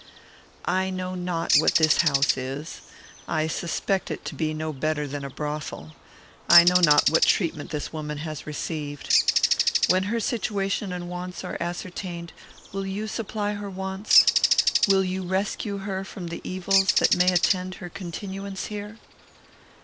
I know not what this house is; I suspect it to be no better than a brothel. I know not what treatment this woman has received. When her situation and wants are ascertained, will you supply her wants? Will you rescue her from evils that may attend her continuance here?"